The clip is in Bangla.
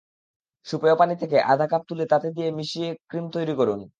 স্যুপের পানি থেকে আধা কাপ তুলে তাতে দিয়ে মিশিয়ে ক্রিম তৈরি করুন।